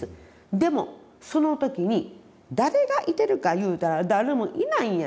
でもその時に誰がいてるかいうたら誰もいないんやねん。